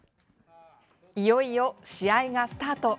いよいよ試合がスタート。